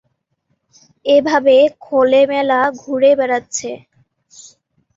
‘এভাবে খোলেমেলা ঘুরে বেড়াচ্ছে।